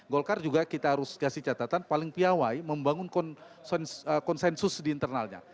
golkar juga kita harus kasih catatan paling piawai membangun konsensus di internalnya